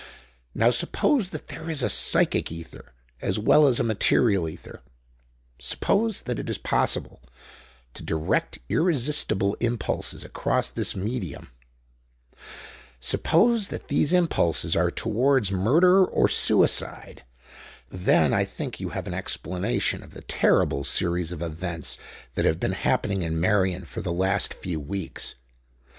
Now, suppose that there is a psychic ether as well as a material ether, suppose that it is possible to direct irresistible impulses across this medium, suppose that these impulses are towards murder or suicide; then I think that you have an explanation of the terrible series of events that have been happening in Meirion for the last few weeks.